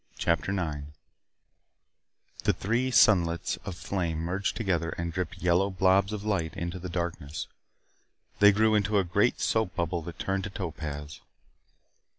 CHAPTER 9 The three sunlets of flame merged together and dripped yellow blobs of light into the darkness. They grew into a great soap bubble that turned to topaz.